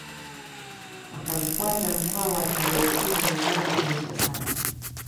Wakamfuata Mkwawa tarehe kumi na nane mwezi wa saba